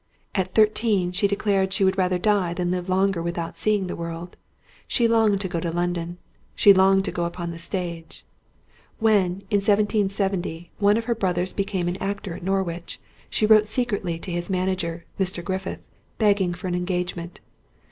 At thirteen, she declared she would rather die than live longer without seeing the world; she longed to go to London; she longed to go upon the stage. When, in 1770, one of her brothers became an actor at Norwich, she wrote secretly to his manager, Mr. Griffith, begging for an engagement.